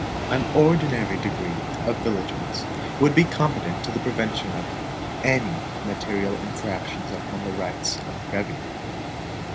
An ordinary degree of vigilance would be competent to the prevention of any material infractions upon the rights of the revenue.